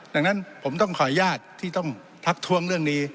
ดังนั้นผมต้องขออนุญาตที่ต้องทักทวงเรื่องนี้